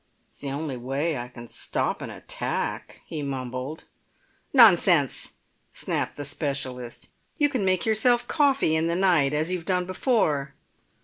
"It's the only way I can stop an attack," he mumbled. "Nonsense!" snapped the specialist. "You can make yourself coffee in the night, as you've done before."